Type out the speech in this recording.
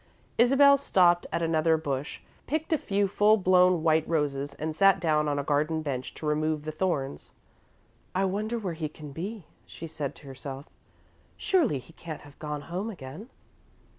Isabel stopped at another bush, picked a few full blown white roses, and sat down on a garden bench to remove the thorns. "I wonder where he can be," she said to herself. "Surely he can't have gone home again."